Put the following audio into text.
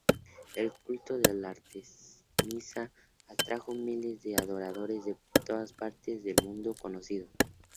El culto de Artemisa atrajo miles de adoradores de todas partes del mundo conocido.